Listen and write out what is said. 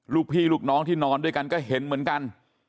ลูกพี่ลูกน้องที่นอนด้วยกันก็เห็นเหมือนกัน